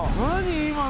今の！